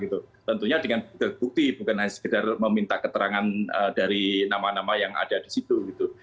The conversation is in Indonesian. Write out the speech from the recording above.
tentunya dengan bukti bukan hanya sekedar meminta keterangan dari nama nama yang ada di situ gitu